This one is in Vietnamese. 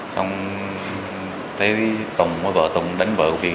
xong thấy tùng với vợ tùng đánh vợ vì can